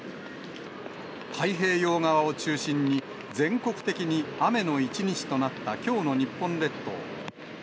太平洋側を中心に全国的に雨の一日となったきょうの日本列島。